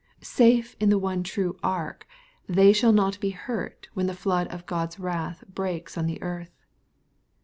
Safe in the one true ark, they shall not be hurt when the flood of God's wrath breaks on the earth.